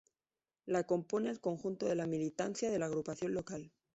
La compone el conjunto de la militancia de la Agrupación Local.